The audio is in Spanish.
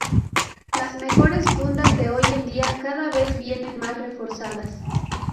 Las Mejores fundas de hoy en dia cada vez vienen mas reforzadas.